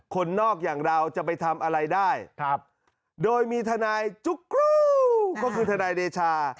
คนนอกอย่างเราจะไปทำอะไรได้โดยมีทนายจุ๊กกรูก็คือทนายเดชา